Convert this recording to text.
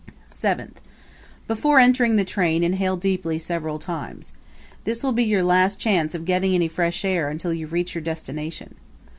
Seventh Before entering the train inhale deeply several times. This will be your last chance of getting any fresh air until you reach your destination.